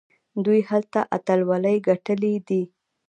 دوی هلته اتلولۍ ګټلي دي.